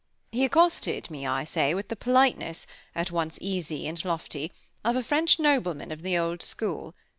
He accosted me, I say, with the politeness, at once easy and lofty, of a French nobleman of the old school.